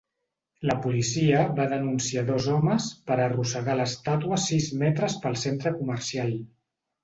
La policia va denunciar dos homes per arrossegar l'estàtua sis metres pel centre comercial.